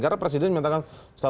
karena presiden mengatakan status pak